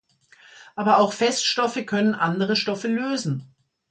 Aber auch Feststoffe können andere Stoffe lösen.